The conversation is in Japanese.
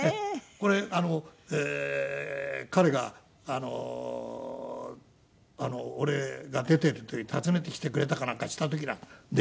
これあの彼が俺が出ている時訪ねてきてくれたかなんかした時なんでしょうね。